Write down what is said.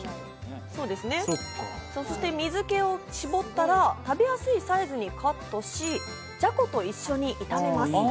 そして水気を絞ったら、食べやすいサイズにカットし、ジャコと一緒に炒めます。